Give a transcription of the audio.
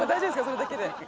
それだけで。